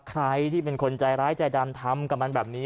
ใครที่เป็นคนใจร้ายใจดำทำกับมันแบบนี้